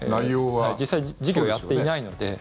実際、事業をやっていないので。